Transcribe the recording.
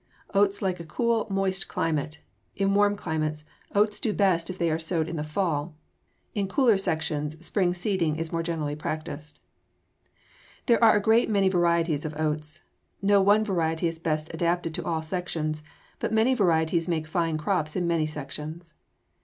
Oats like a cool, moist climate. In warm climates, oats do best when they are sowed in the fall. In cooler sections, spring seeding is more generally practiced. There are a great many varieties of oats. No one variety is best adapted to all sections, but many varieties make fine crops in many sections.